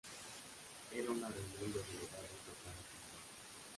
Era una reunión de delegados de cada cantón.